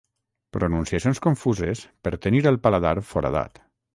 Pronunciacions confuses per tenir el paladar foradat.